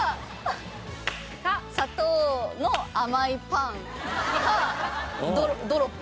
か砂糖の甘いパンかドロップ。